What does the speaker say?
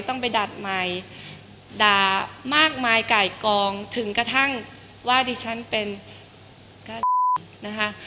ต้องไปดัดใหม่ด่ามากมายไก่กองถึงกระทั่งว่าดิฉันเป็นการนะคะ